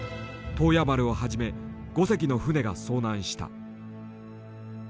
洞爺丸をはじめ５隻の船が遭難した。